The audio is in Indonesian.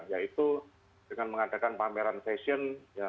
yaitu dengan mengadakan pameran fashion